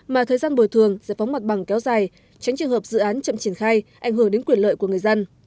mà thời gian bồi thường giải phóng mặt bằng kéo dài tránh trường hợp dự án chậm triển khai ảnh hưởng đến quyền lợi của người dân